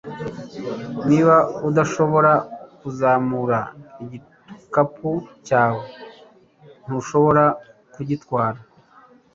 niba udashobora kuzamura igikapu cyawe, ntushobora kugitwara